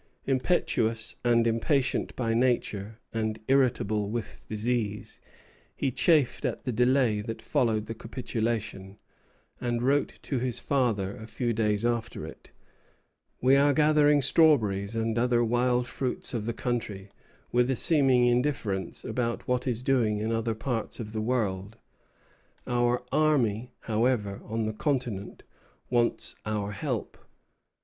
Impetuous and impatient by nature, and irritable with disease, he chafed at the delay that followed the capitulation, and wrote to his father a few days after it: "We are gathering strawberries and other wild fruits of the country, with a seeming indifference about what is doing in other parts of the world. Our army, however, on the continent wants our help."